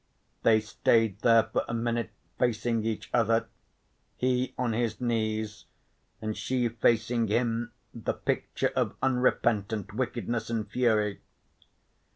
They stayed there for a minute facing each other, he on his knees and she facing him the picture of unrepentant wickedness and fury.